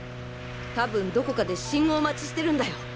多分どこかで信号待ちしてるんだよ。